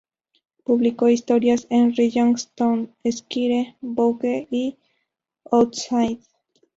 Publicó historias en "Rolling Stone", "Esquire", "Vogue" y "Outside".